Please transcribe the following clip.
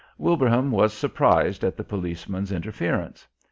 Wilbraham was surprised at the policeman's interference.